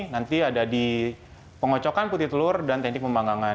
nanti ada di pengocokan putih telur dan teknik pembanggangan